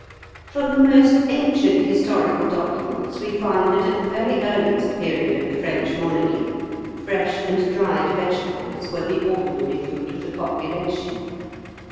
From the most ancient historical documents we find that at the very earliest period of the French monarchy, fresh and dried vegetables were the ordinary food of the population.